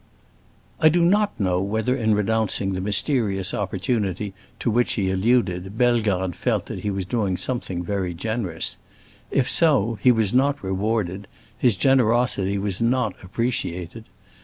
I do not know whether in renouncing the mysterious opportunity to which he alluded, Bellegarde felt that he was doing something very generous. If so, he was not rewarded; his generosity was not appreciated.